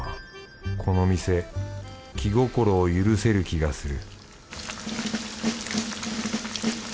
この店気心を許せる気がする